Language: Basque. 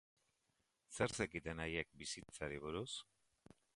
Zer zekiten haiek bizitzari buruz?